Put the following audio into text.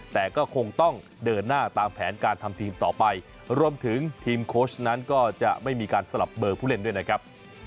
แต่ก็คงต้องเดินหน้าตามแผนการทำทีมต่อไปรวมถึงทีมโค้ชนั้นก็จะไม่มีการสลับเบอร์ผู้เล่นด้วยนะครับ